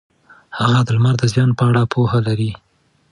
هغه د لمر د زیان په اړه پوهه لري.